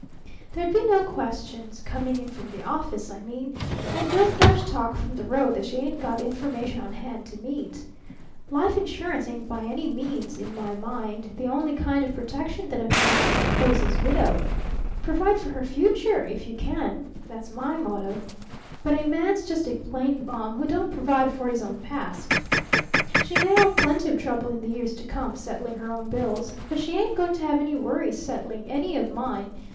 There'd be no questions coming in from the office, I mean, and no fresh talk from the road that she ain't got the information on hand to meet. Life insurance ain't by any means, in my mind, the only kind of protection that a man owes his widow. Provide for her Future if you can! That's my motto! But a man's just a plain bum who don't provide for his own Past! She may have plenty of trouble in the years to come settling her own bills, but she ain't going to have any worry settling any of mine.